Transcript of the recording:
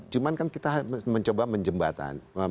cuman kan kita mencoba menjembatan